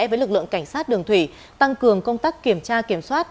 với lực lượng cảnh sát đường thủy tăng cường công tác kiểm tra kiểm soát